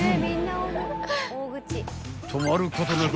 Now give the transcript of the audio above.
［止まることなく］